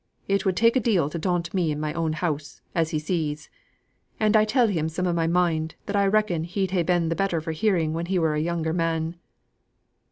It would take a deal to daunt me in my own house, as he sees. And I tell him some of my mind that I reckon he'd ha' been the better of hearing when he were a younger man."